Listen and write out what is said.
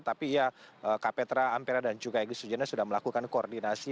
tapi ya kapetra ampera dan juga egy sujana sudah melakukan koordinasi